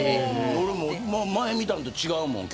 俺も前に見たのと違うもん。